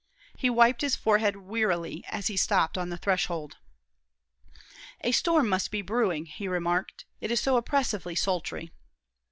He wiped his forehead wearily as he stopped on the threshold. "A storm must be brewing," he remarked. "It is so oppressively sultry."